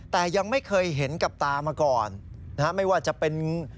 แต่ยังไม่เคยเห็นกับตามาก่อนนะฮะไม่ว่าจะเป็น